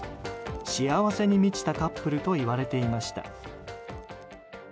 幸せに満ちたカップルと言われていました。